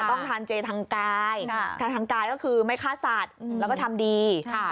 ต้องทานเจทางกายทางกายก็คือไม่ฆ่าสัตว์แล้วก็ทำดี